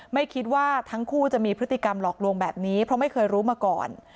ไม่คิดว่าทั้งคู่จะมีพฤติกรรมหลอกลวงแบบนี้เพราะไม่เคยรู้มาก่อน